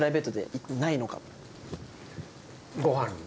ご飯に？